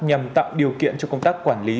nhằm tạo điều kiện cho công tác quản lý